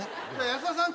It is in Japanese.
安田さん